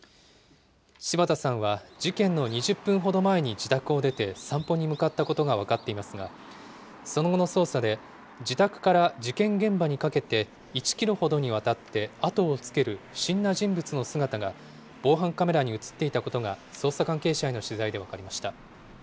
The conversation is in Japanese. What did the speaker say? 柴田さんは事件の２０分ほど前に自宅を出て、散歩に向かったことが分かっていますが、その後の捜査で、自宅から事件現場にかけて、１キロほどにわたってあとをつける不審な人物の姿が、防犯カメラに写っていたことが捜査関係者への取材で分かりました。